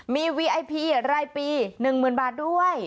มีวีไอพีรายปีหนึ่งหมื่นบาทด้วย